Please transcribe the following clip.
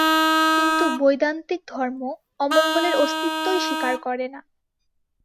কিন্তু বৈদান্তিক ধর্ম অমঙ্গলের অস্তিত্বই স্বীকার করে না।